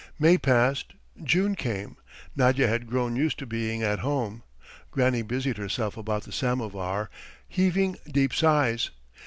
May passed; June came. Nadya had grown used to being at home. Granny busied herself about the samovar, heaving deep sighs.